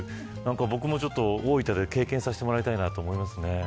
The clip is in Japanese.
僕も大分で経験させてもらいたいなと思います。